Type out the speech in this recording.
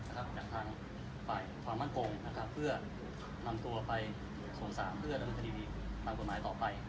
ทางฝ่ายความมั่นคงเพื่อนำตัวไปส่งสารเพื่อดำเนินคดีตามกฎหมายต่อไป